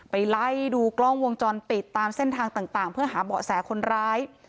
ไปไล่ดูกล้องวงจรปิดตามเส้นทางต่างเพื่อหาเบาะแสคนร้าย